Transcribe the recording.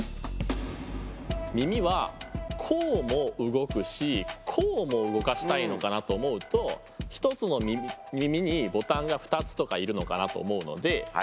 耳はこうも動くしこうも動かしたいのかなと思うと１つの耳にボタンが２つとかいるのかなと思うので。